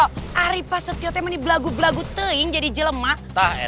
hari mas setio ini belagu belagu teing jadi jelemah